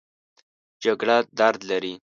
جګړه درد لري